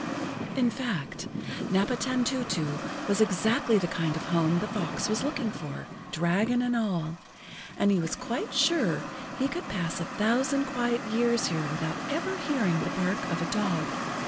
In fact, Napatantutu was exactly the kind of a home the fox was looking for, dragon and all, and he was quite sure he could pass a thousand quiet years here without ever hearing the bark of a dog.